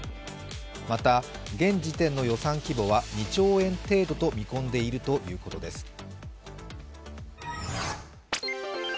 また、現時点の予算規模は２兆円程度と見込んでいるということです。